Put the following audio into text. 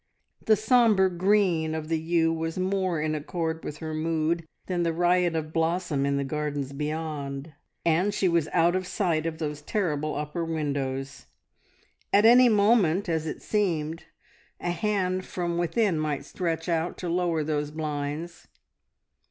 The sombre green of the yew was more in accord with her mood than the riot of blossom in the gardens beyond, and she was out of sight of those terrible upper windows. At any moment, as it seemed, a hand from within might stretch out to lower those blinds